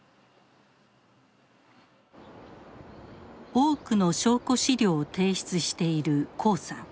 多くの証拠資料を提出している黄さん。